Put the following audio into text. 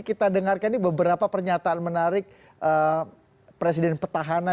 jadi kita dengarkan beberapa pernyataan menarik presiden petahana